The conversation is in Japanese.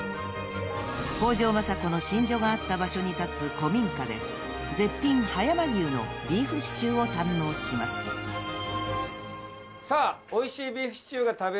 ［北条政子の寝所があった場所に立つ古民家で絶品葉山牛のビーフシチューを堪能します］さあ。